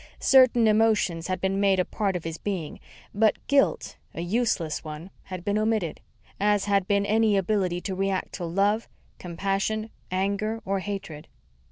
Certain emotions had been made a part of his being, but guilt, a useless one, had been omitted, as had been any ability to react to love, compassion, anger or hatred.